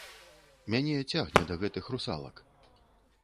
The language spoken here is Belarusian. Мяне цягне да гэтых русалак.